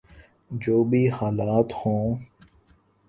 جو بھی حالات ہوں۔